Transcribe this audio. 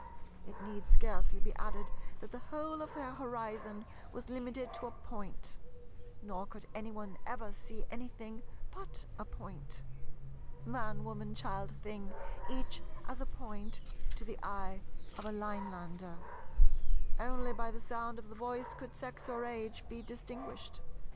It need scarcely be added that the whole of their horizon was limited to a Point; nor could any one ever see anything but a Point. Man, woman, child, thing—each as a Point to the eye of a Linelander. Only by the sound of the voice could sex or age be distinguished.